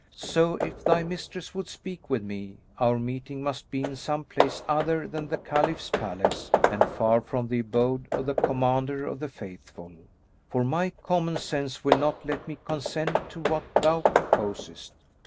So, if thy mistress would speak with me, our meeting must be in some place other than the Caliph's palace and far from the abode of the Commander of the Faithful; for my common sense will not let me consent to what thou proposest."